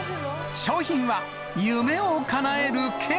商品は、夢をかなえる券。